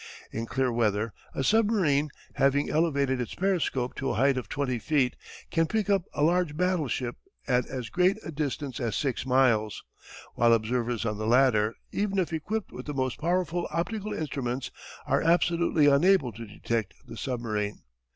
In clear weather a submarine, having elevated its periscope to a height of 20 feet can pick up a large battleship at as great a distance as 6 miles, while observers on the latter, even if equipped with the most powerful optical instruments, are absolutely unable to detect the submarine.